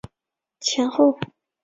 裴叔业北投北魏。